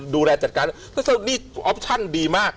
ดูแลจัดการต้องเช่นนี้ออปชั่นดีมาก